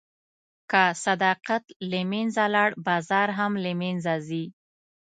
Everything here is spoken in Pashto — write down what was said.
که صداقت له منځه لاړ، بازار هم له منځه ځي.